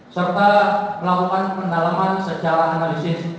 serta melakukan pendalaman secara analisis